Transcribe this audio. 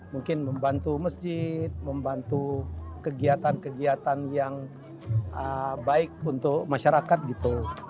mungkin membantu masjid membantu kegiatan kegiatan yang baik untuk masyarakat gitu